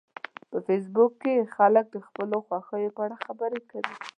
په فېسبوک کې خلک د خپلو خوښیو په اړه خبرې کوي